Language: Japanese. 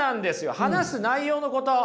話す内容のこと。